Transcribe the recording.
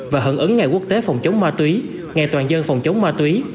và hưởng ứng ngày quốc tế phòng chống ma túy ngày toàn dân phòng chống ma túy